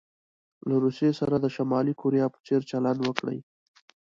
له روسيې سره د شمالي کوریا په څیر چلند وکړي.